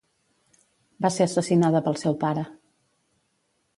Va ser assassinada pel seu pare.